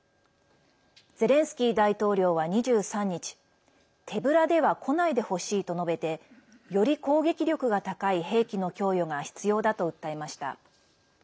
ゼレンスキー大統領は２３日手ぶらでは来ないでほしいと述べてより攻撃力が高い兵器の供与が必要だと訴えました。